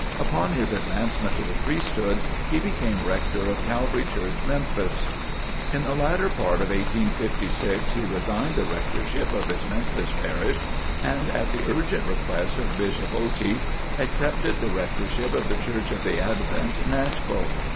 Upon his advancement to the priesthood he became rector of Calvary Church, Memphis. In the latter part of 1856, he resigned the rectorship of his Memphis parish, and at the urgent request of Bishop Otey, accepted the rectorship of the Church of the Advent, Nashville.